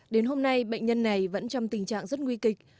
đến hôm nay bệnh nhân này vẫn trong tình trạng rất nguy kịch